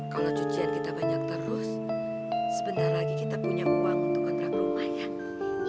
kalau cucian kita banyak terus sebentar lagi kita punya uang untuk kontrak rumah ya